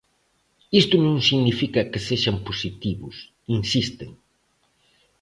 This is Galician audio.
"Iso non significa que sexan positivos", insisten.